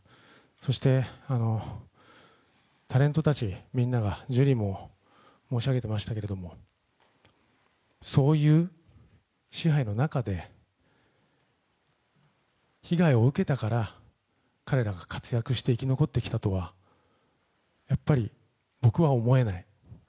そして、タレントたちみんなが、ジュリーも申し上げてましたけども、そういう支配の中で被害を受けたから彼らが活躍して生き残ってきたとはやっぱり僕は思えない。